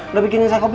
udah bikinin saya kopi